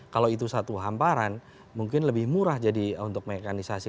kalau itu satu hamparan mungkin lebih murah jadi untuk mekanisasi